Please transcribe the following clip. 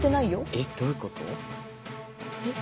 えっどういうこと？